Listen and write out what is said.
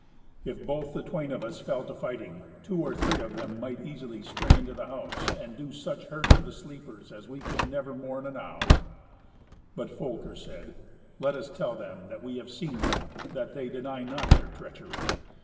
If both the twain of us fell to fighting, two or three of them might easily spring into the house, and do such hurt to the sleepers as we could never mourn enow." But Folker said, "Let us tell them that we have seen them, that they deny not their treachery."